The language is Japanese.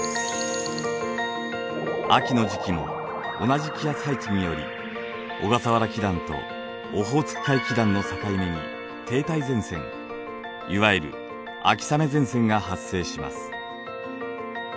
秋の時期も同じ気圧配置により小笠原気団とオホーツク海気団の境目に停滞前線いわゆる秋雨前線が発生します。